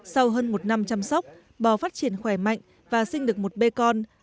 sau hơn một năm chăm sóc bò phát triển khỏe mạnh và sinh được một bê con